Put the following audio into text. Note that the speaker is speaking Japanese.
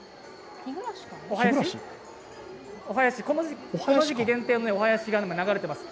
お囃子、この時期限定のお囃子が流れてます。